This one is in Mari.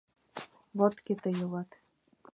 Вот кӧ тый улат!